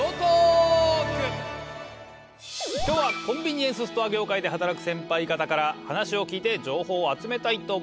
今日はコンビニエンスストア業界で働くセンパイ方から話を聞いて情報を集めたいと思います。